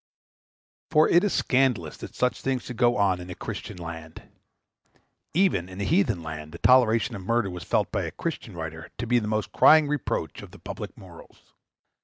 For it is scandalous that such things should go on in a Christian land. Even in a heathen land, the toleration of murder was felt by a Christian writer to be the most crying reproach of the public morals.